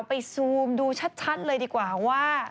ซูมดูชัดเลยดีกว่าว่า